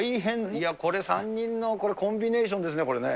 いや、これ、３人のコンビネーシそうです。